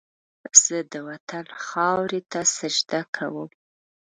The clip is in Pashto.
زه د وطن خاورې ته سجده کوم